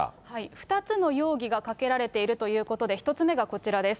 ２つの容疑がかけられているということで、１つ目がこちらです。